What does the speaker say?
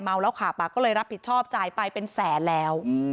แล้วขับก็เลยรับผิดชอบจ่ายไปเป็นแสนแล้ว